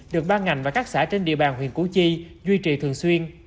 được ban ngành và các xã trên địa bàn huyện củ chi duy trì thường xuyên